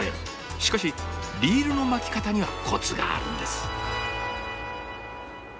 しかしリールの巻き方にはコツがあるんです。